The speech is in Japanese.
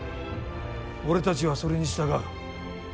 俺たちは、それに従う。